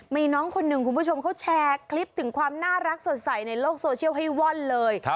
มีน้องคนหนึ่งคุณผู้ชมเขาแชร์คลิปถึงความน่ารักสดใสในโลกโซเชียลให้ว่อนเลย